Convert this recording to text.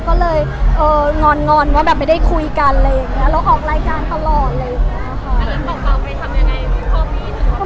บอกป่าวไปทำยังไงพี่พ่อพี่ถึงคุย